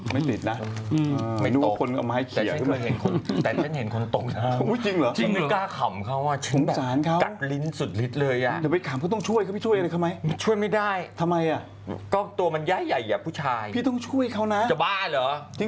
ไม่ติดนะไม่ตกรู้ก็คนเอามาให้เขียนแต่ฉันเห็นตกเช่น